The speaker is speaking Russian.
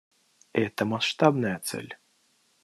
Это масштабная цель.